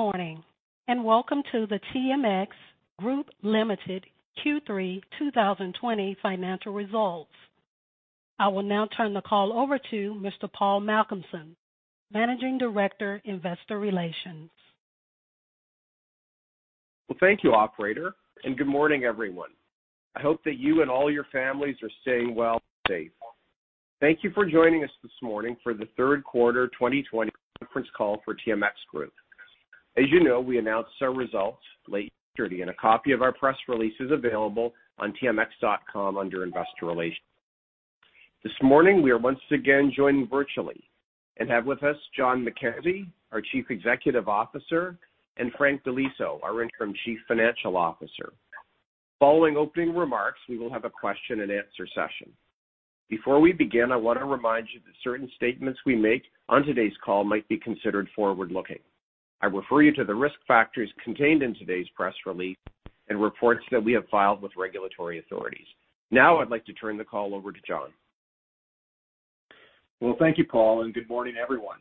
Good morning and welcome to the TMX Group Limited Q3 2020 financial results. I will now turn the call over to Mr. Paul Malcolmson, Managing Director, Investor Relations. Thank you, Operator, and good morning, everyone. I hope that you and all your families are staying well and safe. Thank you for joining us this morning for the third quarter 2020 conference call for TMX Group. As you know, we announced our results late yesterday, and a copy of our press release is available on tmx.com under Investor Relations. This morning, we are once again joining virtually and have with us John McKenzie, our Chief Executive Officer, and Frank Di Liso, our Interim Chief Financial Officer. Following opening remarks, we will have a question-and-answer session. Before we begin, I want to remind you that certain statements we make on today's call might be considered forward-looking. I refer you to the risk factors contained in today's press release and reports that we have filed with regulatory authorities. Now, I'd like to turn the call over to John. Thank you, Paul, and good morning, everyone.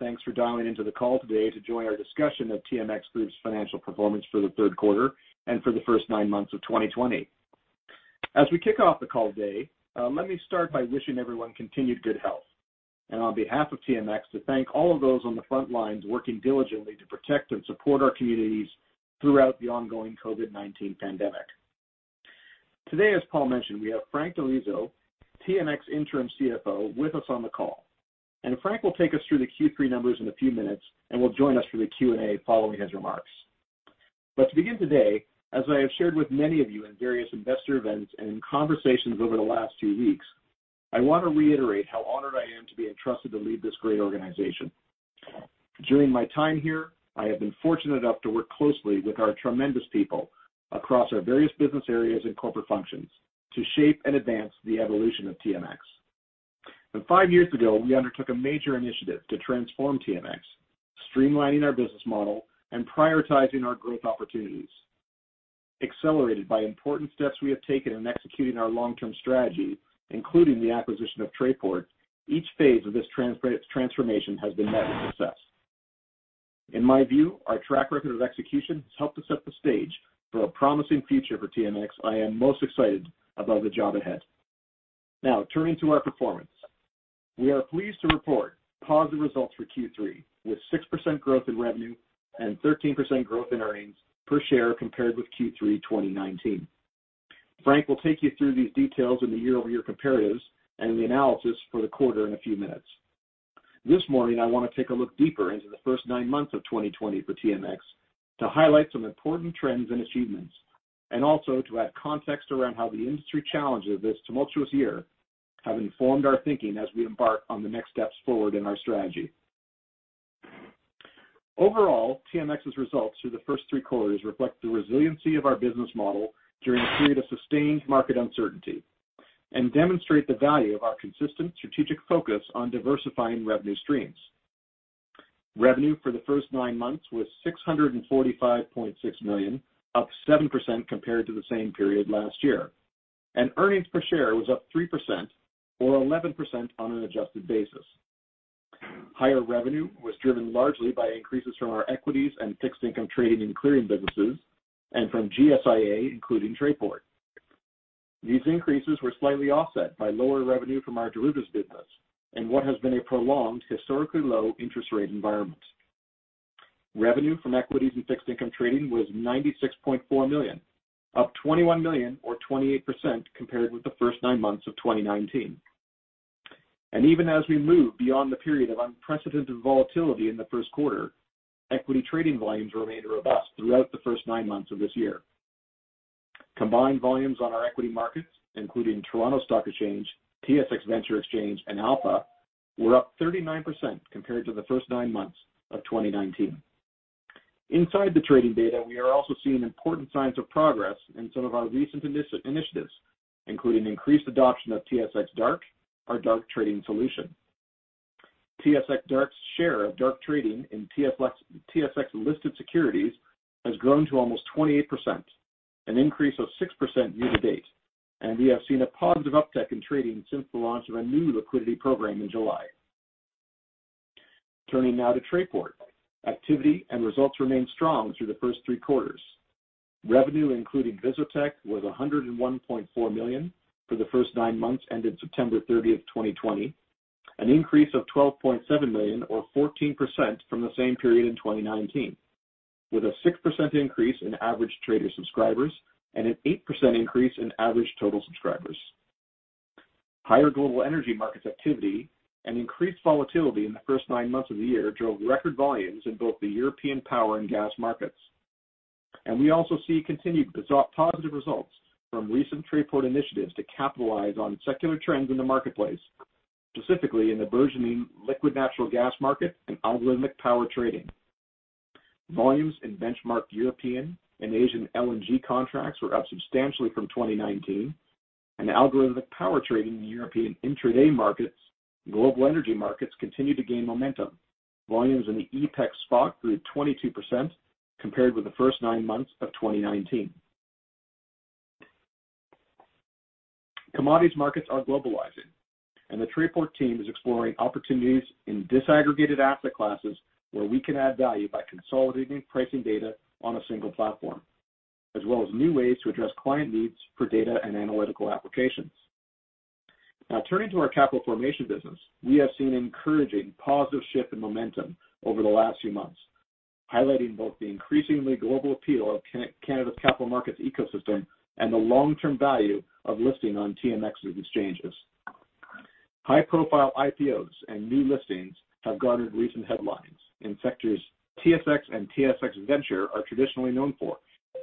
Thanks for dialing into the call today to join our discussion of TMX Group's financial performance for the third quarter and for the first nine months of 2020. As we kick off the call today, let me start by wishing everyone continued good health, and on behalf of TMX, to thank all of those on the front lines working diligently to protect and support our communities throughout the ongoing COVID-19 pandemic. Today, as Paul mentioned, we have Frank Di Liso, TMX Interim CFO, with us on the call. Frank will take us through the Q3 numbers in a few minutes, and will join us for the Q&A following his remarks. To begin today, as I have shared with many of you in various investor events and in conversations over the last few weeks, I want to reiterate how honored I am to be entrusted to lead this great organization. During my time here, I have been fortunate enough to work closely with our tremendous people across our various business areas and corporate functions to shape and advance the evolution of TMX. Five years ago, we undertook a major initiative to transform TMX, streamlining our business model and prioritizing our growth opportunities. Accelerated by important steps we have taken in executing our long-term strategy, including the acquisition of Trayport, each phase of this transformation has been met with success. In my view, our track record of execution has helped to set the stage for a promising future for TMX. I am most excited about the job ahead. Now, turning to our performance, we are pleased to report positive results for Q3, with 6% growth in revenue and 13% growth in earnings per share compared with Q3 2019. Frank will take you through these details in the year-over-year comparatives and the analysis for the quarter in a few minutes. This morning, I want to take a look deeper into the first nine months of 2020 for TMX to highlight some important trends and achievements, and also to add context around how the industry challenges this tumultuous year have informed our thinking as we embark on the next steps forward in our strategy. Overall, TMX's results through the first three quarters reflect the resiliency of our business model during a period of sustained market uncertainty and demonstrate the value of our consistent strategic focus on diversifying revenue streams. Revenue for the first nine months was 645.6 million, up 7% compared to the same period last year, and earnings per share was up 3%, or 11% on an adjusted basis. Higher revenue was driven largely by increases from our equities and fixed income trading and clearing businesses, and from GSIA, including Trayport. These increases were slightly offset by lower revenue from our derivatives business and what has been a prolonged, historically low interest rate environment. Revenue from equities and fixed income trading was 96.4 million, up 21 million, or 28% compared with the first nine months of 2019. Even as we move beyond the period of unprecedented volatility in the first quarter, equity trading volumes remained robust throughout the first nine months of this year. Combined volumes on our equity markets, including Toronto Stock Exchange, TSX Venture Exchange, and Alpha, were up 39% compared to the first nine months of 2019. Inside the trading data, we are also seeing important signs of progress in some of our recent initiatives, including increased adoption of TSX DARK, our DARK trading solution. TSX DARK's share of DARK trading in TSX-listed securities has grown to almost 28%, an increase of 6% year-to-date, and we have seen a positive uptick in trading since the launch of a new liquidity program in July. Turning now to Trayport, activity and results remained strong through the first three quarters. Revenue, including Vizotech, was 101.4 million for the first nine months ended September 30, 2020, an increase of 12.7 million, or 14% from the same period in 2019, with a 6% increase in average trader subscribers and an 8% increase in average total subscribers. Higher global energy markets activity and increased volatility in the first nine months of the year drove record volumes in both the European power and gas markets. We also see continued positive results from recent Trayport initiatives to capitalize on secular trends in the marketplace, specifically in the burgeoning liquefied natural gas market and algorithmic power trading. Volumes in benchmark European and Asian LNG contracts were up substantially from 2019, and algorithmic power trading in European intraday markets and global energy markets continued to gain momentum. Volumes in the EPEX SPOT grew 22% compared with the first nine months of 2019. Commodities markets are globalizing, and the Trayport team is exploring opportunities in disaggregated asset classes where we can add value by consolidating pricing data on a single platform, as well as new ways to address client needs for data and analytical applications. Now, turning to our capital formation business, we have seen an encouraging positive shift in momentum over the last few months, highlighting both the increasingly global appeal of Canada's capital markets ecosystem and the long-term value of listing on TMX's exchanges. High-profile IPOs and new listings have garnered recent headlines in sectors TSX and TSX Venture are traditionally known for,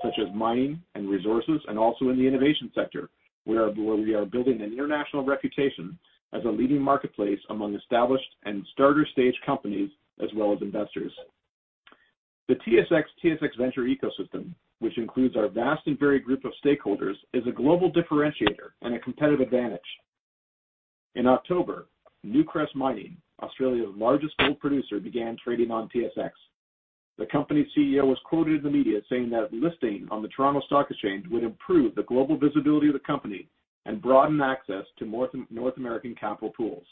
such as mining and resources, and also in the innovation sector, where we are building an international reputation as a leading marketplace among established and starter-stage companies, as well as investors. The TSX TSX Venture ecosystem, which includes our vast and varied group of stakeholders, is a global differentiator and a competitive advantage. In October, Newcrest Mining, Australia's largest gold producer, began trading on TSX. The company's CEO was quoted in the media saying that listing on the Toronto Stock Exchange would improve the global visibility of the company and broaden access to North American capital pools.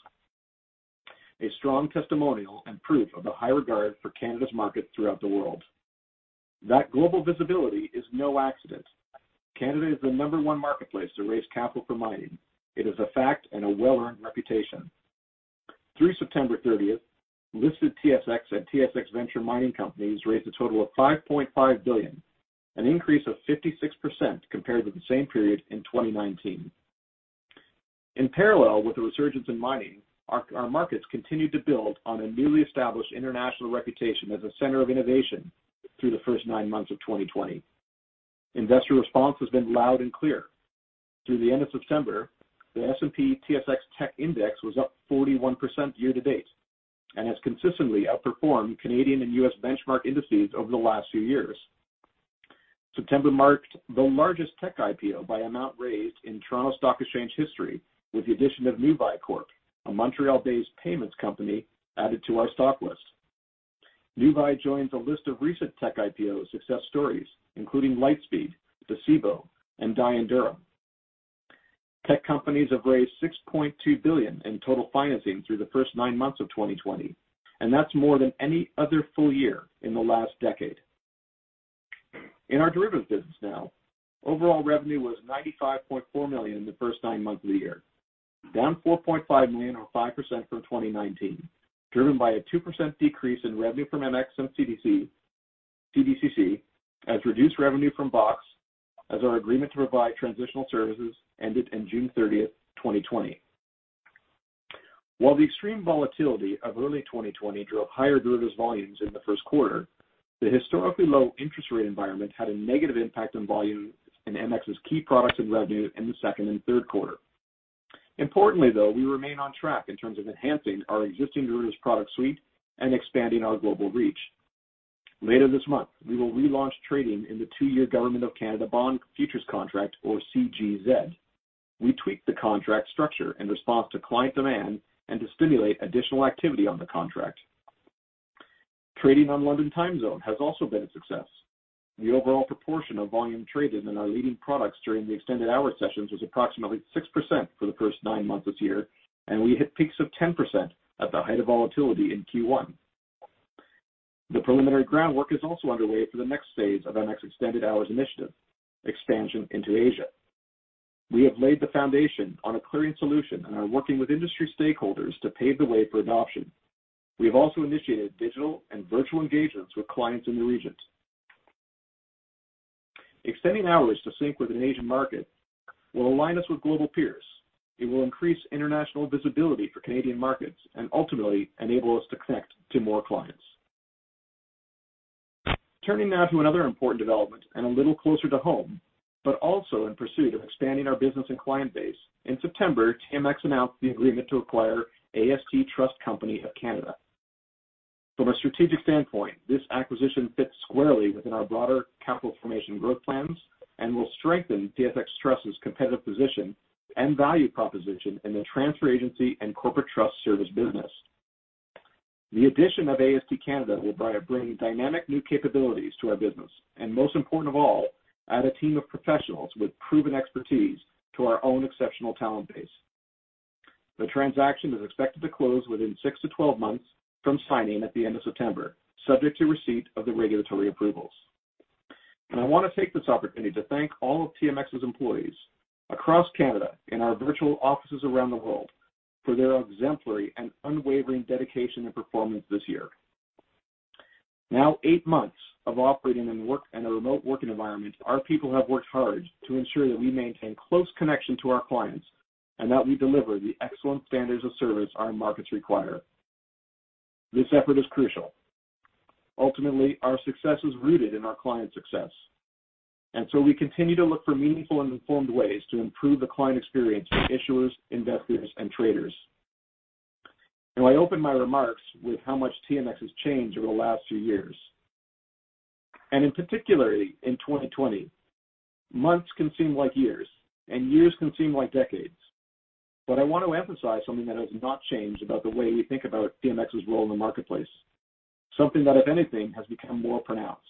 A strong testimonial and proof of the high regard for Canada's markets throughout the world. That global visibility is no accident. Canada is the number one marketplace to raise capital for mining. It is a fact and a well-earned reputation. Through September 30, listed TSX and TSX Venture mining companies raised a total of 5.5 billion, an increase of 56% compared with the same period in 2019. In parallel with the resurgence in mining, our markets continued to build on a newly established international reputation as a center of innovation through the first nine months of 2020. Investor response has been loud and clear. Through the end of September, the S&P TSX Tech Index was up 41% year-to-date and has consistently outperformed Canadian and U.S. benchmark indices over the last few years. September marked the largest tech IPO by amount raised in Toronto Stock Exchange history, with the addition of Nuvei, a Montreal-based payments company added to our stock list. Nuvei joins a list of recent tech IPO success stories, including Lightspeed, Docebo, and D2L Corporation. Tech companies have raised 6.2 billion in total financing through the first nine months of 2020, and that's more than any other full year in the last decade. In our derivatives business now, overall revenue was 95.4 million in the first nine months of the year, down 4.5 million, or 5% from 2019, driven by a 2% decrease in revenue from MX and CDS as reduced revenue from TMX Atrium, as our agreement to provide transitional services ended on June 30th, 2020. While the extreme volatility of early 2020 drove higher derivatives volumes in the first quarter, the historically low interest rate environment had a negative impact on volumes in MX's key products and revenue in the second and third quarter. Importantly, though, we remain on track in terms of enhancing our existing derivatives product suite and expanding our global reach. Later this month, we will relaunch trading in the two-year Government of Canada Bond Futures contract, or CGZ. We tweaked the contract structure in response to client demand and to stimulate additional activity on the contract. Trading on London time zone has also been a success. The overall proportion of volume traded in our leading products during the extended hours sessions was approximately 6% for the first nine months this year, and we hit peaks of 10% at the height of volatility in Q1. The preliminary groundwork is also underway for the next phase of MX Extended Hours Initiative expansion into Asia. We have laid the foundation on a clearing solution and are working with industry stakeholders to pave the way for adoption. We have also initiated digital and virtual engagements with clients in the region. Extending hours to sync with an Asian market will align us with global peers. It will increase international visibility for Canadian markets and ultimately enable us to connect to more clients. Turning now to another important development and a little closer to home, but also in pursuit of expanding our business and client base, in September, TMX announced the agreement to acquire AST Trust Company (Canada). From a strategic standpoint, this acquisition fits squarely within our broader capital formation growth plans and will strengthen TSX Trust's competitive position and value proposition in the transfer agency and corporate trust service business. The addition of AST Canada will bring dynamic new capabilities to our business, and most important of all, add a team of professionals with proven expertise to our own exceptional talent base. The transaction is expected to close within 6-12 months from signing at the end of September, subject to receipt of the regulatory approvals. I want to take this opportunity to thank all of TMX's employees across Canada and our virtual offices around the world for their exemplary and unwavering dedication and performance this year. Now, eight months of operating in a remote working environment, our people have worked hard to ensure that we maintain close connection to our clients and that we deliver the excellent standards of service our markets require. This effort is crucial. Ultimately, our success is rooted in our client success, and we continue to look for meaningful and informed ways to improve the client experience for issuers, investors, and traders. I open my remarks with how much TMX has changed over the last few years. In particular, in 2020, months can seem like years, and years can seem like decades. I want to emphasize something that has not changed about the way we think about TMX's role in the marketplace, something that, if anything, has become more pronounced.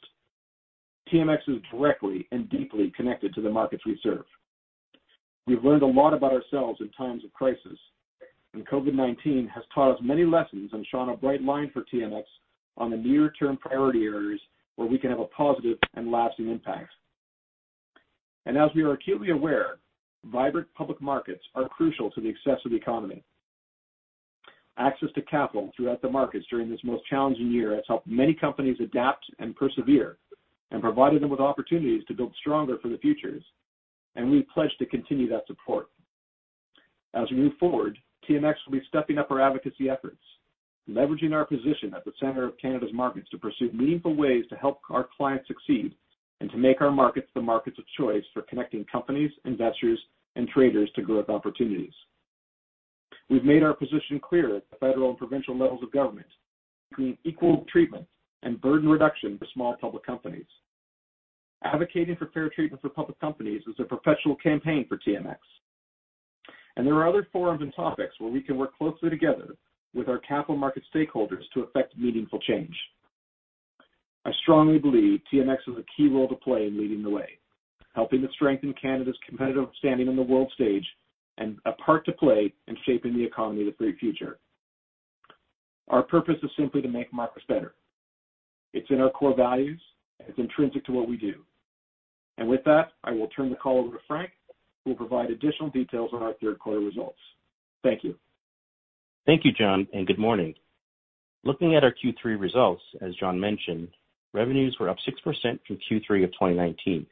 TMX is directly and deeply connected to the markets we serve. We've learned a lot about ourselves in times of crisis, and COVID-19 has taught us many lessons and shone a bright line for TMX on the near-term priority areas where we can have a positive and lasting impact. As we are acutely aware, vibrant public markets are crucial to the access of the economy. Access to capital throughout the markets during this most challenging year has helped many companies adapt and persevere and provided them with opportunities to build stronger for the futures, and we pledge to continue that support. As we move forward, TMX will be stepping up our advocacy efforts, leveraging our position at the center of Canada's markets to pursue meaningful ways to help our clients succeed and to make our markets the markets of choice for connecting companies, investors, and traders to growth opportunities. We have made our position clear at the federal and provincial levels of government, including equal treatment and burden reduction for small public companies. Advocating for fair treatment for public companies is a perpetual campaign for TMX. There are other forums and topics where we can work closely together with our capital market stakeholders to effect meaningful change. I strongly believe TMX has a key role to play in leading the way, helping to strengthen Canada's competitive standing on the world stage and a part to play in shaping the economy of the future. Our purpose is simply to make markets better. It's in our core values. It's intrinsic to what we do. With that, I will turn the call over to Frank, who will provide additional details on our third quarter results. Thank you. Thank you, John, and good morning. Looking at our Q3 results, as John mentioned, revenues were up 6% from Q3 of 2019.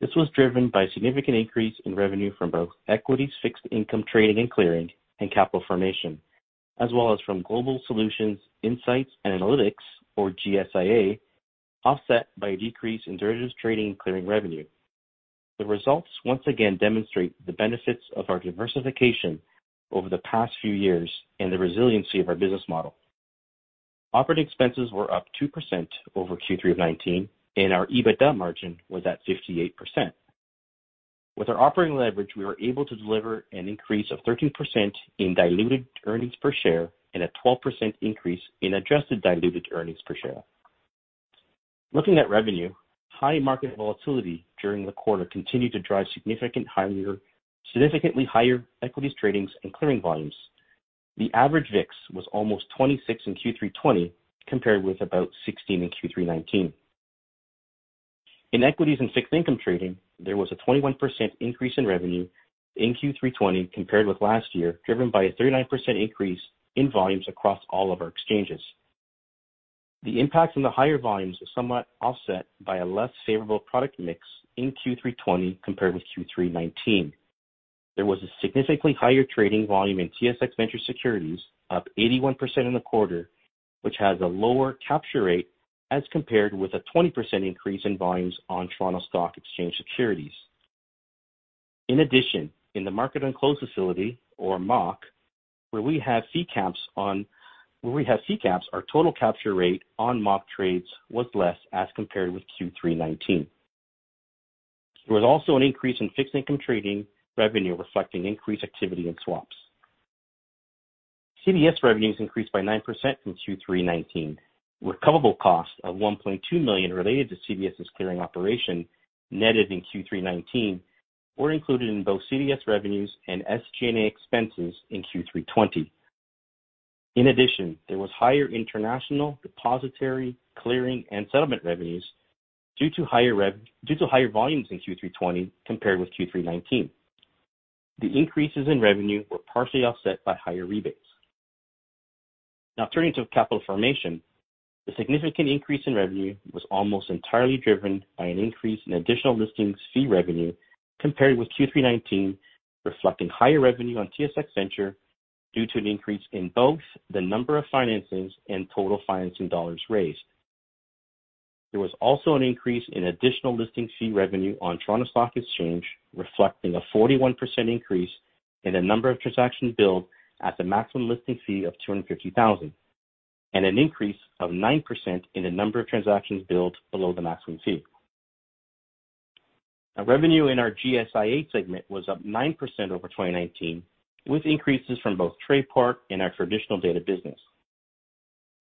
This was driven by a significant increase in revenue from both equities fixed income trading and clearing and capital formation, as well as from global solutions insights and analytics, or GSIA, offset by a decrease in derivatives trading and clearing revenue. The results once again demonstrate the benefits of our diversification over the past few years and the resiliency of our business model. Operating expenses were up 2% over Q3 of 2019, and our EBITDA margin was at 58%. With our operating leverage, we were able to deliver an increase of 13% in diluted earnings per share and a 12% increase in adjusted diluted earnings per share. Looking at revenue, high market volatility during the quarter continued to drive significantly higher equities trading and clearing volumes. The average VIX was almost 26 in Q3 2020, compared with about 16 in Q3 2019. In equities and fixed income trading, there was a 21% increase in revenue in Q3 2020, compared with last year, driven by a 39% increase in volumes across all of our exchanges. The impact on the higher volumes was somewhat offset by a less favorable product mix in Q3 2020, compared with Q3 2019. There was a significantly higher trading volume in TSX Venture Securities, up 81% in the quarter, which has a lower capture rate as compared with a 20% increase in volumes on Toronto Stock Exchange Securities. In addition, in the Market on Close facility, or MOC, where we have fee caps on our total capture rate on MOC trades was less as compared with Q3 2019. There was also an increase in fixed income trading revenue, reflecting increased activity in swaps. CDS revenues increased by 9% from Q3 2019. Recoverable costs of 1.2 million related to CDS's clearing operation netted in Q3 2019 were included in both CDS revenues and SG&A expenses in Q3 2020. In addition, there was higher international depository clearing and settlement revenues due to higher volumes in Q3 2020 compared with Q3 2019. The increases in revenue were partially offset by higher rebates. Now, turning to capital formation, the significant increase in revenue was almost entirely driven by an increase in additional listings fee revenue compared with Q3 2019, reflecting higher revenue on TSX Venture due to an increase in both the number of financings and total financing dollars raised. There was also an increase in additional listing fee revenue on Toronto Stock Exchange, reflecting a 41% increase in the number of transactions billed at the maximum listing fee of 250,000, and an increase of 9% in the number of transactions billed below the maximum fee. Now, revenue in our GSIA segment was up 9% over 2019, with increases from both Trayport and our traditional data business.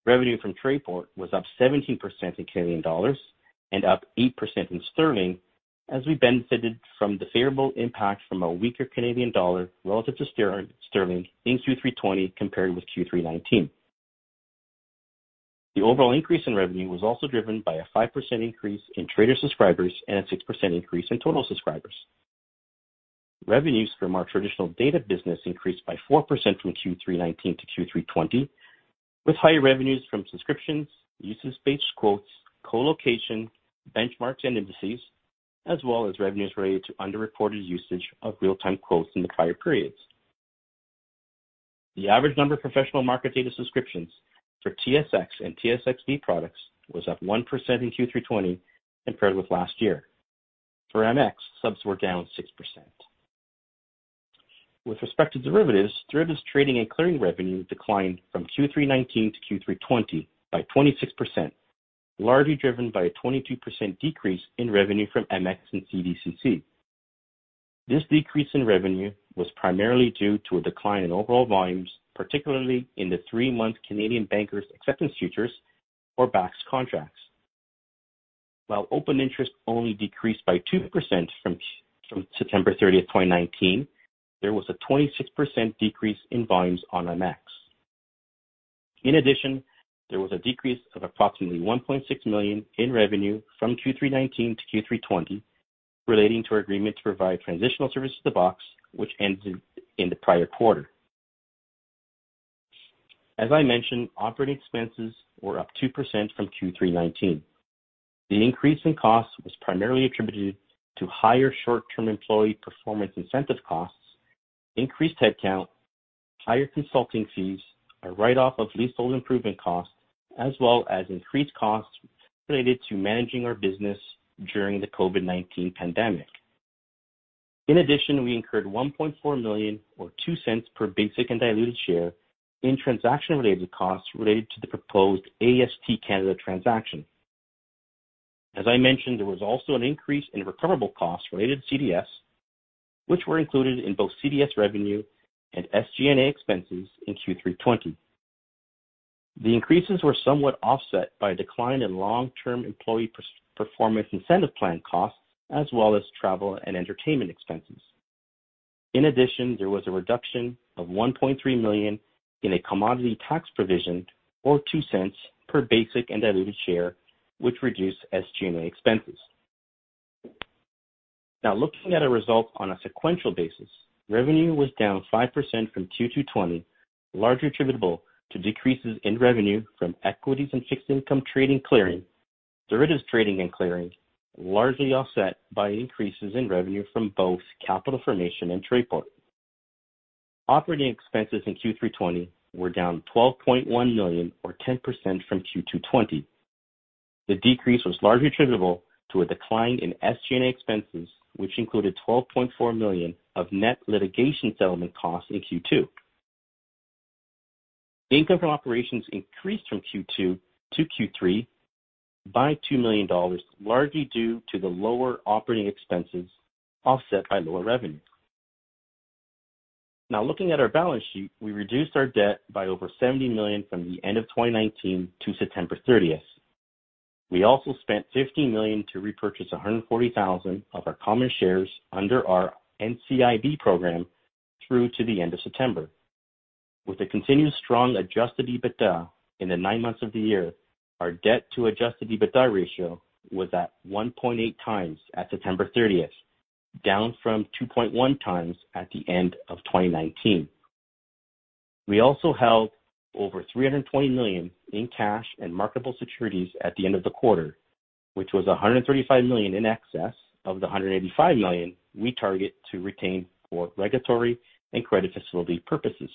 Revenue from Trayport was up 17% in CAD and up 8% in GBP, as we benefited from the favorable impact from a weaker Canadian dollar relative to sterling in Q3 2020 compared with Q3 2019. The overall increase in revenue was also driven by a 5% increase in trader subscribers and a 6% increase in total subscribers. Revenues from our traditional data business increased by 4% from Q3 2019 to Q3 2020, with higher revenues from subscriptions, usage-based quotes, colocation, benchmarks, and indices, as well as revenues related to underreported usage of real-time quotes in the prior periods. The average number of professional market data subscriptions for TSX and TSX Venture Exchange products was up 1% in Q3 2020 compared with last year. For Montréal Exchange, subs were down 6%. With respect to derivatives, derivatives trading and clearing revenue declined from Q3 2019 to Q3 2020 by 26%, largely driven by a 22% decrease in revenue from Montréal Exchange and Canadian Derivatives Clearing Corporation. This decrease in revenue was primarily due to a decline in overall volumes, particularly in the three-month Canadian Bankers' Acceptance futures, or BAX contracts. While open interest only decreased by 2% from September 30, 2019, there was a 26% decrease in volumes on MX. In addition, there was a decrease of approximately 1.6 million in revenue from Q3 2019 to Q3 2020 relating to our agreement to provide transitional services to TMX Atrium, which ended in the prior quarter. As I mentioned, operating expenses were up 2% from Q3 2019. The increase in costs was primarily attributed to higher short-term employee performance incentive costs, increased headcount, higher consulting fees, a write-off of leasehold improvement costs, as well as increased costs related to managing our business during the COVID-19 pandemic. In addition, we incurred 1.4 million, or $0.02 per basic and diluted share, in transaction-related costs related to the proposed AST Trust Company (Canada) transaction. As I mentioned, there was also an increase in recoverable costs related to CDS, which were included in both CDS revenue and SG&A expenses in Q3 2020. The increases were somewhat offset by a decline in long-term employee performance incentive plan costs, as well as travel and entertainment expenses. In addition, there was a reduction of 1.3 million in a commodity tax provision, or $0.02 per basic and diluted share, which reduced SG&A expenses. Now, looking at our results on a sequential basis, revenue was down 5% from Q2 2020, largely attributable to decreases in revenue from equities and fixed income trading clearing, derivatives trading and clearing, largely offset by increases in revenue from both capital formation and Trayport. Operating expenses in Q3 2020 were down 12.1 million, or 10% from Q2 2020. The decrease was largely attributable to a decline in SG&A expenses, which included 12.4 million of net litigation settlement costs in Q2. Income from operations increased from Q2 to Q3 by $2 million, largely due to the lower operating expenses offset by lower revenue. Now, looking at our balance sheet, we reduced our debt by over 70 million from the end of 2019 to September 30th. We also spent 15 million to repurchase 140,000 of our common shares under our NCIB program through to the end of September. With a continued strong adjusted EBITDA in the nine months of the year, our debt-to-adjusted EBITDA ratio was at 1.8 times at September 30th, down from 2.1 times at the end of 2019. We also held over 320 million in cash and marketable securities at the end of the quarter, which was 135 million in excess of the 185 million we target to retain for regulatory and credit facility purposes.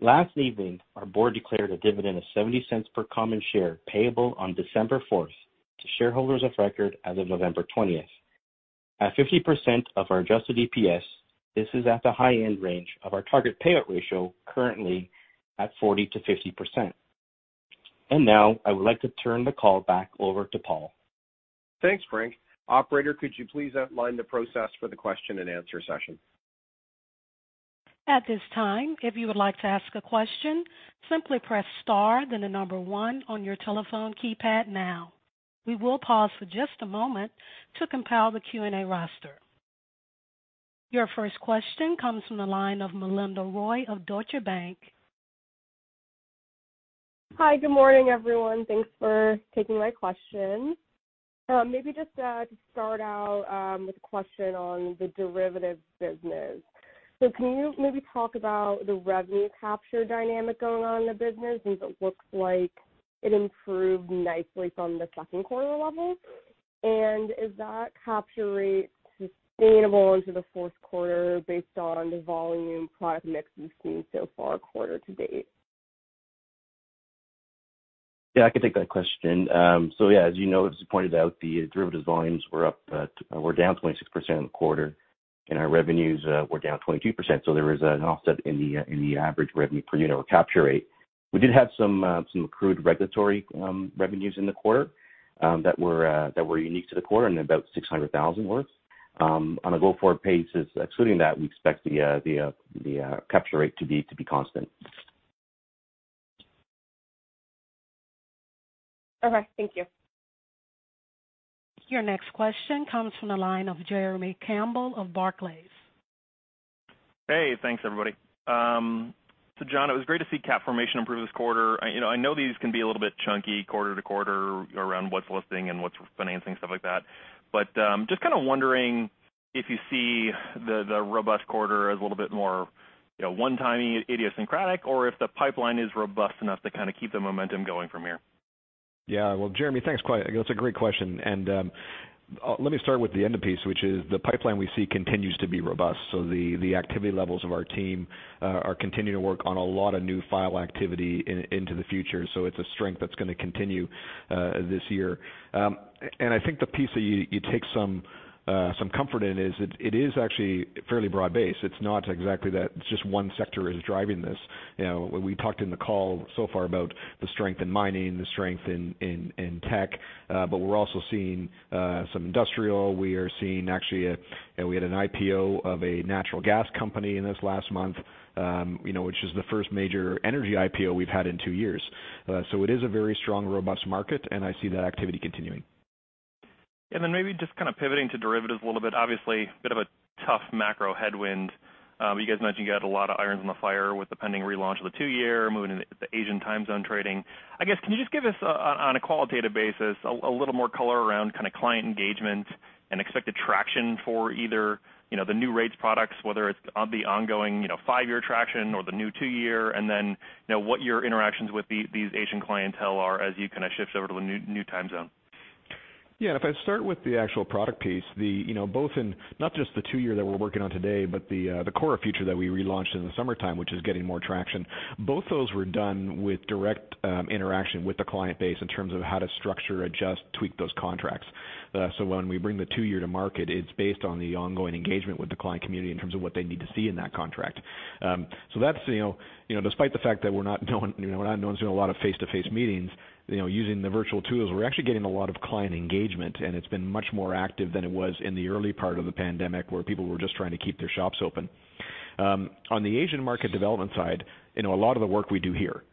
Last evening, our board declared a dividend of $0.70 per common share payable on December 4th to shareholders of record as of November 20th. At 50% of our adjusted EPS, this is at the high-end range of our target payout ratio currently at 40%-50%. I would like to turn the call back over to Paul. Thanks, Frank. Operator, could you please outline the process for the question-and-answer session? At this time, if you would like to ask a question, simply press star, then the number one on your telephone keypad now. We will pause for just a moment to compile the Q&A roster. Your first question comes from the line of Melinda Roy of Deutsche Bank. Hi, good morning, everyone. Thanks for taking my question. Maybe just to start out with a question on the derivatives business. Can you maybe talk about the revenue capture dynamic going on in the business? It looks like it improved nicely from the second quarter level. Is that capture rate sustainable into the fourth quarter based on the volume product mix we've seen so far quarter-to-date? Yeah, I can take that question. Yeah, as you know, as you pointed out, the derivatives volumes were down 26% in the quarter, and our revenues were down 22%. There was an offset in the average revenue per unit or capture rate. We did have some accrued regulatory revenues in the quarter that were unique to the quarter and about 600,000 worth. On a go-forward basis, excluding that, we expect the capture rate to be constant. Okay, thank you. Your next question comes from the line of Jeremy Campbell of Barclays. Hey, thanks, everybody. So John, it was great to see cap formation improve this quarter. I know these can be a little bit chunky quarter to quarter around what's listing and what's financing, stuff like that. Just kind of wondering if you see the robust quarter as a little bit more one-timey, idiosyncratic, or if the pipeline is robust enough to kind of keep the momentum going from here. Yeah, Jeremy, thanks. That's a great question. Let me start with the end piece, which is the pipeline we see continues to be robust. The activity levels of our team are continuing to work on a lot of new file activity into the future. It's a strength that's going to continue this year. I think the piece that you take some comfort in is it is actually fairly broad-based. It's not exactly that it's just one sector is driving this. We talked in the call so far about the strength in mining, the strength in tech, but we're also seeing some industrial. We are seeing actually a we had an IPO of a natural gas company in this last month, which is the first major energy IPO we've had in two years. It is a very strong, robust market, and I see that activity continuing. Maybe just kind of pivoting to derivatives a little bit. Obviously, a bit of a tough macro headwind. You guys mentioned you had a lot of irons on the fire with the pending relaunch of the two-year, moving into the Asian time zone trading. I guess, can you just give us, on a qualitative basis, a little more color around kind of client engagement and expected traction for either the new rates products, whether it's the ongoing five-year traction or the new two-year, and then what your interactions with these Asian clientele are as you kind of shift over to the new time zone? Yeah, if I start with the actual product piece, both in not just the two-year that we're working on today, but the core future that we relaunched in the summertime, which is getting more traction, both those were done with direct interaction with the client base in terms of how to structure, adjust, tweak those contracts. When we bring the two-year to market, it's based on the ongoing engagement with the client community in terms of what they need to see in that contract. That's, despite the fact that we're not doing a lot of face-to-face meetings, using the virtual tools, we're actually getting a lot of client engagement, and it's been much more active than it was in the early part of the pandemic where people were just trying to keep their shops open. On the Asian market development side, a lot of the work we do here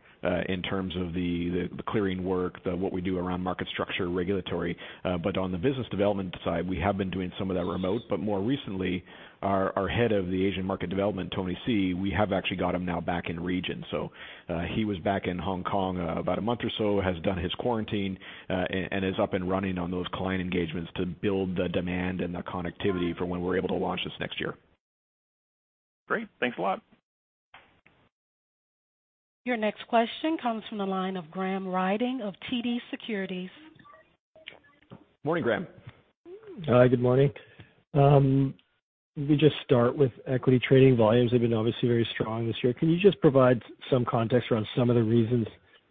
in terms of the clearing work, what we do around market structure, regulatory, but on the business development side, we have been doing some of that remote. More recently, our head of the Asian market development, Tony Si, we have actually got him now back in region. He was back in Hong Kong about a month or so, has done his quarantine, and is up and running on those client engagements to build the demand and the connectivity for when we're able to launch this next year. Great, thanks a lot. Your next question comes from the line of Graham Ryding of TD Securities. Morning, Graham. Hi, good morning. Let me just start with equity trading volumes. They've been obviously very strong this year. Can you just provide some context around some of the reasons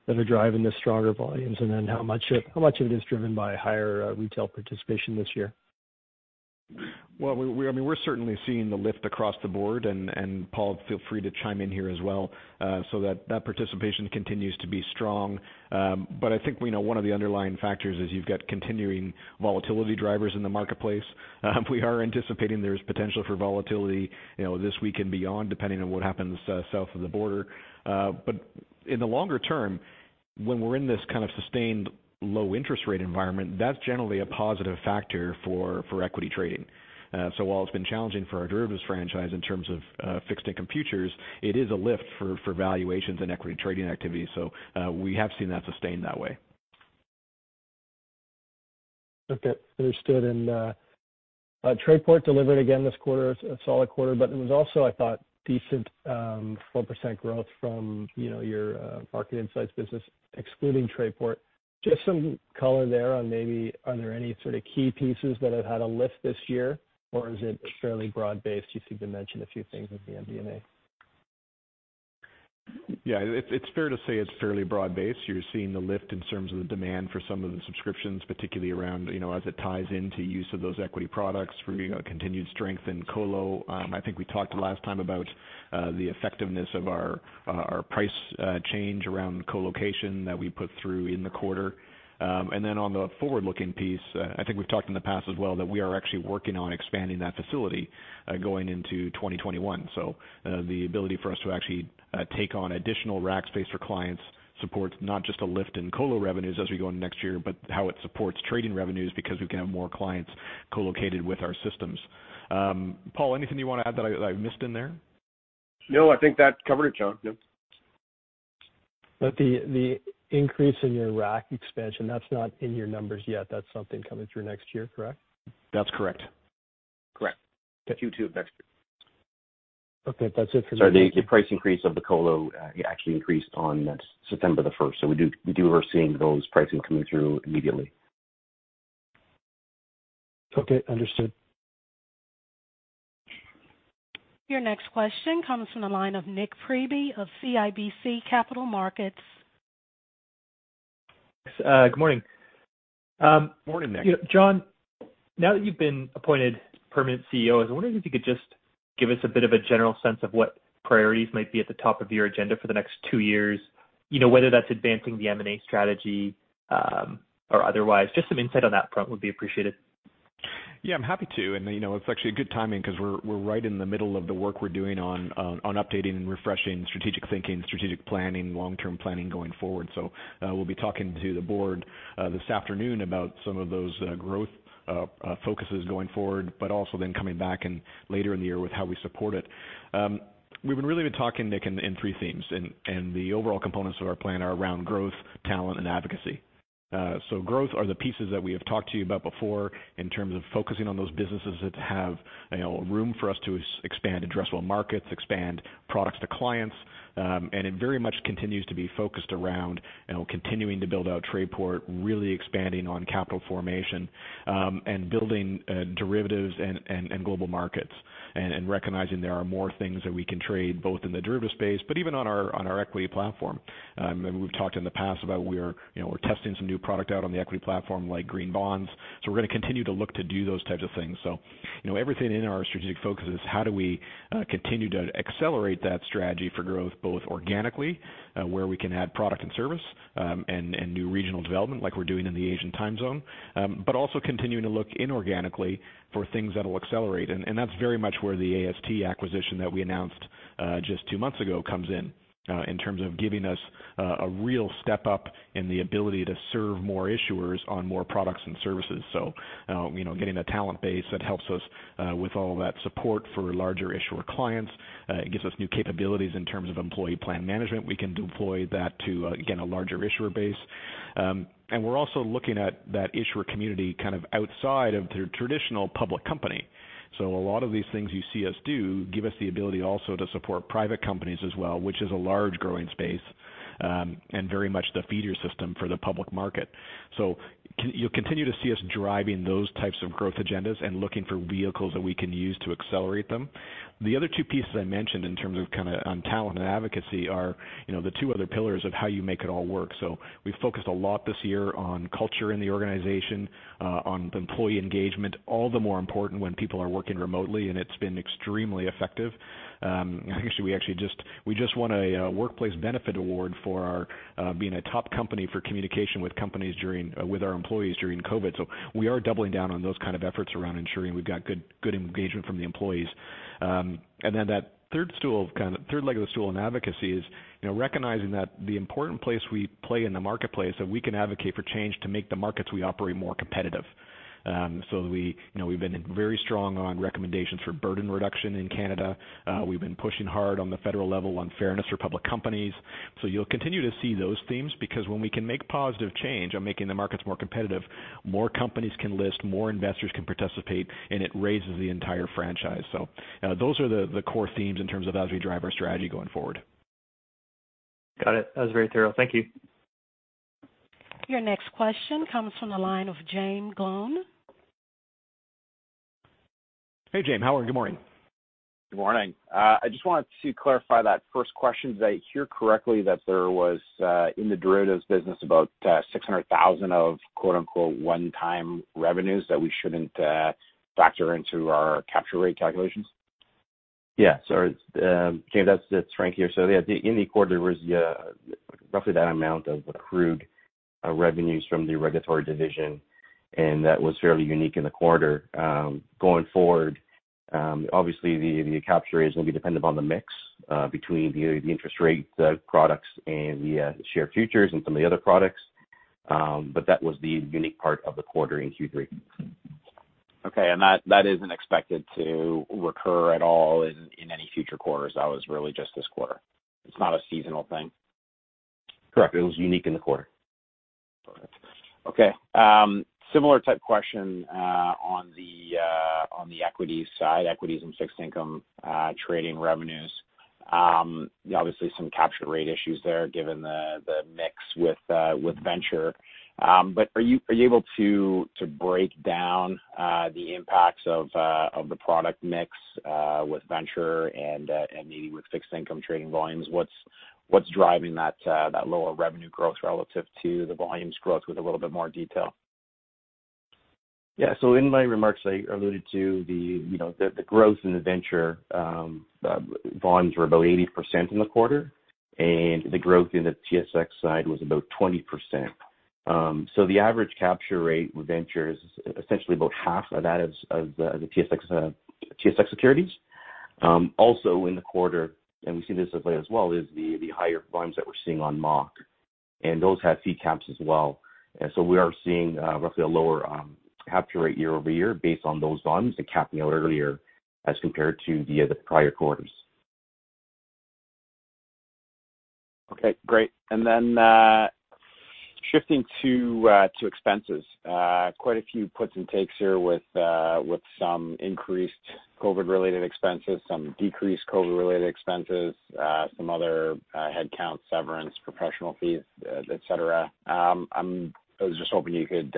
that are driving the stronger volumes and then how much of it is driven by higher retail participation this year? I mean, we're certainly seeing the lift across the board, and Paul, feel free to chime in here as well so that that participation continues to be strong. I think one of the underlying factors is you've got continuing volatility drivers in the marketplace. We are anticipating there's potential for volatility this week and beyond, depending on what happens south of the border. In the longer term, when we're in this kind of sustained low-interest rate environment, that's generally a positive factor for equity trading. While it's been challenging for our derivatives franchise in terms of fixed income futures, it is a lift for valuations and equity trading activity. We ha ve seen that sustained that way. Okay, understood. Trayport delivered again this quarter, a solid quarter, but there was also, I thought, decent 4% growth from your market insights business, excluding Trayport. Just some color there on maybe are there any sort of key pieces that have had a lift this year, or is it fairly broad-based? You seem to mention a few things with the MD&A. Yeah, it's fair to say it's fairly broad-based. You're seeing the lift in terms of the demand for some of the subscriptions, particularly around as it ties into use of those equity products for continued strength in colo. I think we talked last time about the effectiveness of our price change around colocation that we put through in the quarter. On the forward-looking piece, I think we've talked in the past as well that we are actually working on expanding that facility going into 2021. The ability for us to actually take on additional rack space for clients supports not just a lift in colo revenues as we go into next year, but how it supports trading revenues because we can have more clients colocated with our systems. Paul, anything you want to add that I missed in there? No, I think that covered it, John. No. But the increase in your rack expansion, that's not in your numbers yet. That's something coming through next year, correct? That's correct. Correct. Q2 of next year. Okay, that's it for me. The price increase of the colo actually increased on September the 1st. We are seeing those pricing coming through immediately. Okay, understood. Your next question comes from the line of Nick Freeby of CIBC Capital Markets. Good morning. Morning, Nick. John, now that you've been appointed permanent CEO, I was wondering if you could just give us a bit of a general sense of what priorities might be at the top of your agenda for the next two years, whether that's advancing the M&A strategy or otherwise. Just some insight on that front would be appreciated. Yeah, I'm happy to. It's actually good timing because we're right in the middle of the work we're doing on updating and refreshing strategic thinking, strategic planning, long-term planning going forward. We'll be talking to the board this afternoon about some of those growth focuses going forward, also then coming back later in the year with how we support it. We've been really talking, Nick, in three themes, and the overall components of our plan are around growth, talent, and advocacy. Growth are the pieces that we have talked to you about before in terms of focusing on those businesses that have room for us to expand, addressable markets, expand products to clients. It very much continues to be focused around continuing to build out Trayport, really expanding on capital formation and building derivatives and global markets and recognizing there are more things that we can trade both in the derivatives space, but even on our equity platform. We've talked in the past about we're testing some new product out on the equity platform like green bonds. We are going to continue to look to do those types of things. Everything in our strategic focus is how do we continue to accelerate that strategy for growth, both organically, where we can add product and service and new regional development like we're doing in the Asian time zone, but also continuing to look inorganically for things that will accelerate. That is very much where the AST acquisition that we announced just two months ago comes in, in terms of giving us a real step up in the ability to serve more issuers on more products and services. Getting a talent base that helps us with all that support for larger issuer clients gives us new capabilities in terms of employee plan management. We can deploy that to, again, a larger issuer base. We are also looking at that issuer community kind of outside of the traditional public company. A lot of these things you see us do give us the ability also to support private companies as well, which is a large growing space and very much the feeder system for the public market. You'll continue to see us driving those types of growth agendas and looking for vehicles that we can use to accelerate them. The other two pieces I mentioned in terms of kind of on talent and advocacy are the two other pillars of how you make it all work. We've focused a lot this year on culture in the organization, on employee engagement, all the more important when people are working remotely, and it's been extremely effective. Actually, we just won a workplace benefit award for being a top company for communication with our employees during COVID. We are doubling down on those kind of efforts around ensuring we've got good engagement from the employees. That third leg of the stool in advocacy is recognizing that the important place we play in the marketplace is that we can advocate for change to make the markets we operate more competitive. We have been very strong on recommendations for burden reduction in Canada. We have been pushing hard on the federal level on fairness for public companies. You will continue to see those themes because when we can make positive change on making the markets more competitive, more companies can list, more investors can participate, and it raises the entire franchise. Those are the core themes in terms of as we drive our strategy going forward. Got it. That was very thorough. Thank you. Your next question comes from the line of James Gloon. Hey, John How are you? Good morning. Good morning. I just wanted to clarify that first question. Did I hear correctly that there was in the derivatives business about $600,000 of "one-time revenues" that we shouldn't factor into our capture rate calculations? Yeah. Sorry. James, that's Frank here. Yeah, in the quarter, there was roughly that amount of accrued revenues from the regulatory division, and that was fairly unique in the quarter. Going forward, obviously, the capture is going to be dependent on the mix between the interest rate products and the share futures and some of the other products. That was the unique part of the quarter in Q3. Okay. That isn't expected to recur at all in any future quarters? That was really just this quarter. It's not a seasonal thing. Correct. It was unique in the quarter. Okay. Similar type question on the equity side, equities and fixed income trading revenues. Obviously, some capture rate issues there given the mix with venture. Are you able to break down the impacts of the product mix with venture and maybe with fixed income trading volumes? What's driving that lower revenue growth relative to the volumes growth with a little bit more detail? Yeah. In my remarks, I alluded to the growth in the venture volumes were about 80% in the quarter, and the growth in the TSX side was about 20%. The average capture rate with venture is essentially about half of that of the TSX securities. Also in the quarter, and we see this as well, is the higher volumes that we're seeing on MOC. Those have fee caps as well. We are seeing roughly a lower capture rate year over year based on those volumes and capping out earlier as compared to the prior quarters. Okay. Great. Then shifting to expenses, quite a few puts and takes here with some increased COVID-related expenses, some decreased COVID-related expenses, some other headcount, severance, professional fees, etc. I was just hoping you could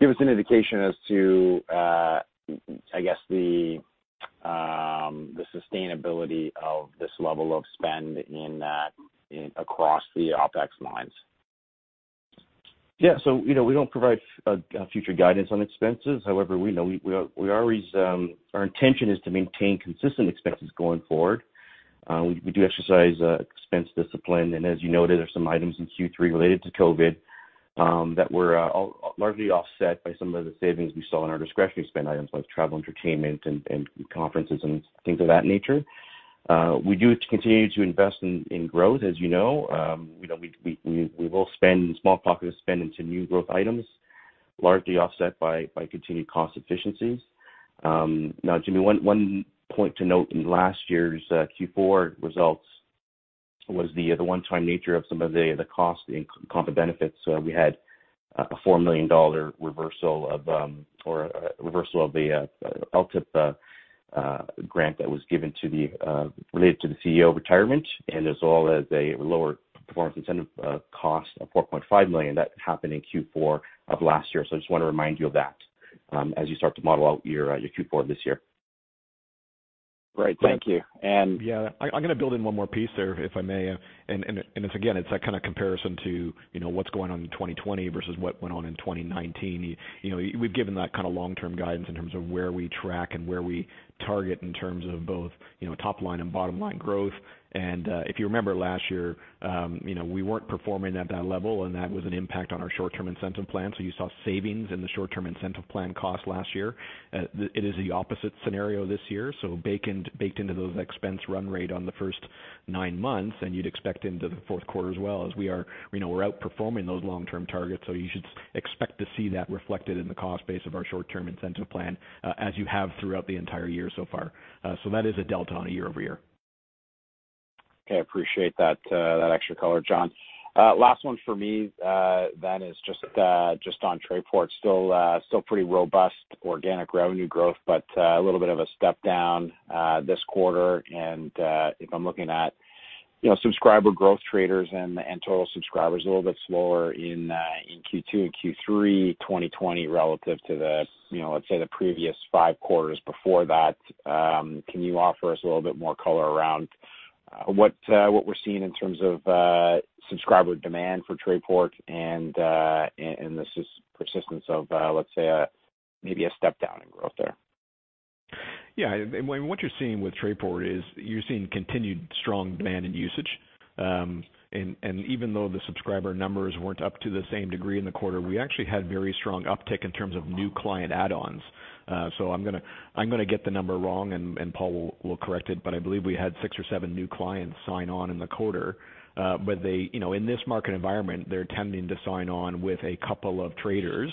give us an indication as to, I guess, the sustainability of this level of spend across the OpEx lines. Yeah. We do not provide future guidance on expenses. However, we know our intention is to maintain consistent expenses going forward. We do exercise expense discipline. As you noted, there are some items in Q3 related to COVID that were largely offset by some of the savings we saw in our discretionary spend items like travel, entertainment, and conferences and things of that nature. We do continue to invest in growth, as you know. We will spend small pockets of spend into new growth items, largely offset by continued cost efficiencies. Now, Jimmy, one point to note in last year's Q4 results was the one-time nature of some of the cost and comp benefits. We had a 4 million dollar reversal of the LTIP grant that was given related to the CEO retirement, and as well as a lower performance incentive cost of 4.5 million. That happened in Q4 of last year. I just want to remind you of that as you start to model out your Q4 this year. Great. Thank you. Yeah, I'm going to build in one more piece there, if I may. Again, it's that kind of comparison to what's going on in 2020 versus what went on in 2019. We've given that kind of long-term guidance in terms of where we track and where we target in terms of both top line and bottom line growth. If you remember last year, we weren't performing at that level, and that was an impact on our short-term incentive plan. You saw savings in the short-term incentive plan cost last year. It is the opposite scenario this year. Baked into those expense run rate on the first nine months, and you'd expect into the fourth quarter as well, as we are outperforming those long-term targets. You should expect to see that reflected in the cost base of our short-term incentive plan as you have throughout the entire year so far. That is a delta on a yea-over-year. Okay. I appreciate that extra color, John. Last one for me then is just on Trayport. Still pretty robust organic revenue growth, but a little bit of a step down this quarter. If I'm looking at subscriber growth, traders, and total subscribers, a little bit slower in Q2 and Q3 2020 relative to, let's say, the previous five quarters before that. Can you offer us a little bit more color around what we're seeing in terms of subscriber demand for Trayport and the persistence of, let's say, maybe a step down in growth there? Yeah. What you're seeing with Trayport is you're seeing continued strong demand and usage. Even though the subscriber numbers were not up to the same degree in the quarter, we actually had very strong uptick in terms of new client add-ons. I'm going to get the number wrong, and Paul will correct it, but I believe we had six or seven new clients sign on in the quarter. In this market environment, they're tending to sign on with a couple of traders,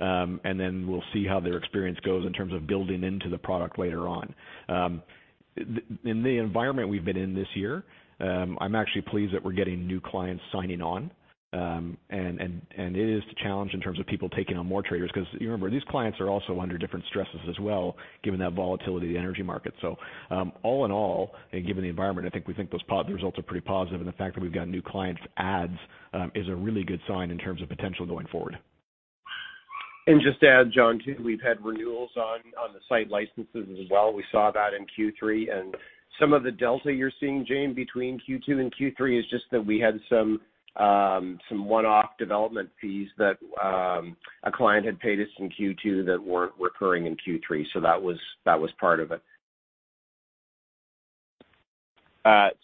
and then we'll see how their experience goes in terms of building into the product later on. In the environment we've been in this year, I'm actually pleased that we're getting new clients signing on. It is the challenge in terms of people taking on more traders because, remember, these clients are also under different stresses as well, given that volatility of the energy market. All in all, and given the environment, I think we think those positive results are pretty positive. The fact that we've got new clients adds is a really good sign in terms of potential going forward. Just to add, John, too, we've had renewals on the site licenses as well. We saw that in Q3. Some of the delta you're seeing, James, between Q2 and Q3 is just that we had some one-off development fees that a client had paid us in Q2 that were not recurring in Q3. That was part of it.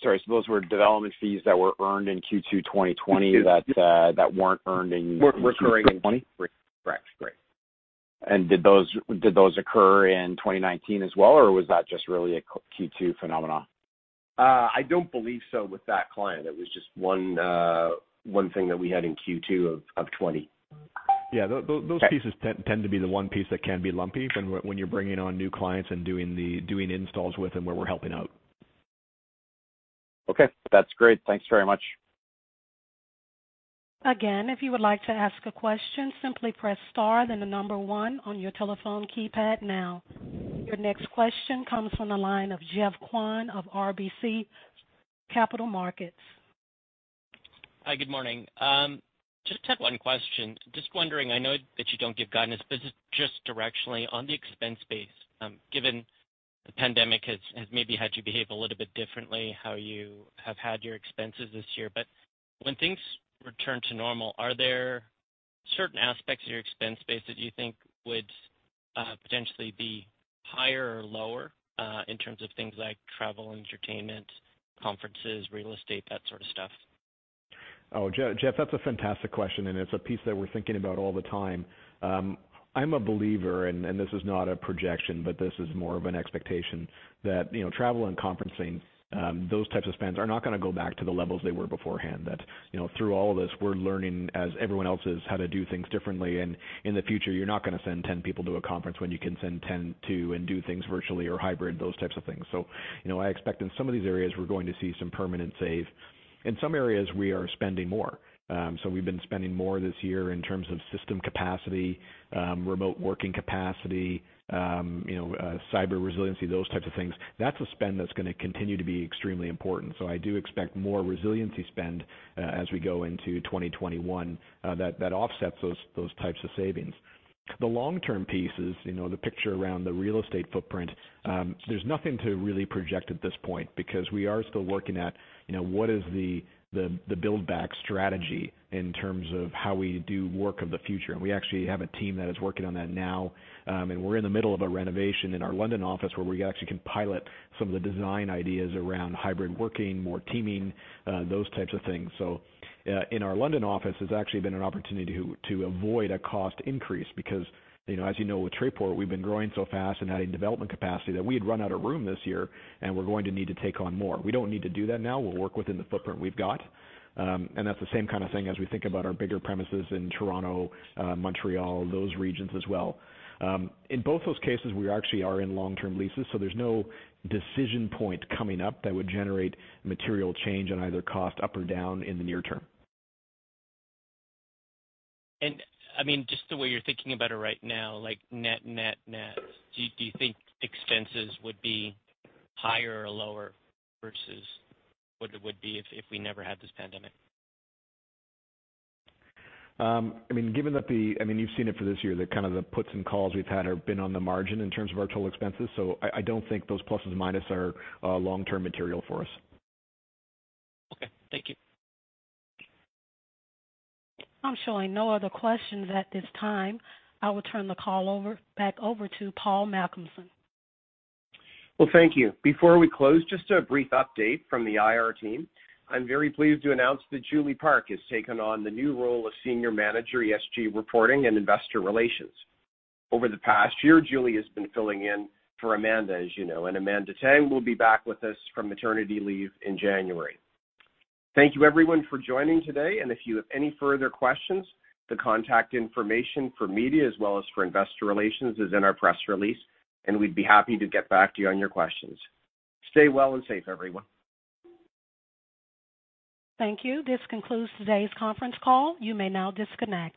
Sorry. Those were development fees that were earned in Q2 2020 that were not earned in Q3 2020? Correct. Correct.Did those occur in 2019 as well, or was that just really a Q2 phenomenon? I do not believe so with that client. It was just one thing that we had in Q2 of 2020. Yeah. Those pieces tend to be the one piece that can be lumpy when you're bringing on new clients and doing installs with them where we're helping out. Okay. That's great. Thanks very much. Again, if you would like to ask a question, simply press star, then the number one on your telephone keypad now. Your next question comes from the line of Jeff Kwan of RBC Capital Markets. Hi. Good morning. Just had one question. Just wondering, I know that you don't give guidance, but just directionally on the expense base, given the pandemic has maybe had you behave a little bit differently, how you have had your expenses this year. When things return to normal, are there certain aspects of your expense base that you think would potentially be higher or lower in terms of things like travel, entertainment, conferences, real estate, that sort of stuff? Oh, Jeff, that's a fantastic question, and it's a piece that we're thinking about all the time. I'm a believer, and this is not a projection, but this is more of an expectation that travel and conferencing, those types of spend are not going to go back to the levels they were beforehand. Through all of this, we're learning as everyone else is how to do things differently. In the future, you're not going to send 10 people to a conference when you can send 10 to and do things virtually or hybrid, those types of things. I expect in some of these areas, we're going to see some permanent save. In some areas, we are spending more. We've been spending more this year in terms of system capacity, remote working capacity, cyber resiliency, those types of things. That's a spend that's going to continue to be extremely important. I do expect more resiliency spend as we go into 2021 that offsets those types of savings. The long-term piece is the picture around the real estate footprint. There's nothing to really project at this point because we are still working at what is the build-back strategy in terms of how we do work of the future. We actually have a team that is working on that now. We are in the middle of a renovation in our London office where we actually can pilot some of the design ideas around hybrid working, more teaming, those types of things. In our London office, it's actually been an opportunity to avoid a cost increase because, as you know, with Trayport, we've been growing so fast and adding development capacity that we had run out of room this year, and we're going to need to take on more. We don't need to do that now. We'll work within the footprint we've got. That is the same kind of thing as we think about our bigger premises in Toronto, Montreal, those regions as well. In both those cases, we actually are in long-term leases. There is no decision point coming up that would generate material change on either cost up or down in the near term. I mean, just the way you are thinking about it right now, like net, net, net, do you think expenses would be higher or lower versus what it would be if we never had this pandemic? I mean, given that, I mean, you have seen it for this year. Kind of the puts and calls we have had have been on the margin in terms of our total expenses. I do not think those pluses and minuses are long-term material for us. Okay. Thank you. I am sure there are no other questions at this time. I will turn the call back over to Paul Malcolmson. Thank you. Before we close, just a brief update from the IR team. I'm very pleased to announce that Julie Park has taken on the new role of Senior Manager, ESG Reporting, and Investor Relations. Over the past year, Julie has been filling in for Amanda, as you know. Amanda Tang will be back with us from maternity leave in January. Thank you, everyone, for joining today. If you have any further questions, the contact information for media as well as for investor relations is in our press release. We would be happy to get back to you on your questions. Stay well and safe, everyone. Thank you. This concludes today's conference call. You may now disconnect.